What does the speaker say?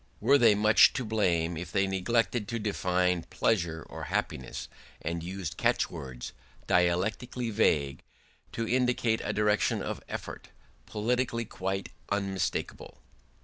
Were they much to blame if they neglected to define pleasure or happiness and used catch words, dialectically vague, to indicate a direction of effort politically quite unmistakable?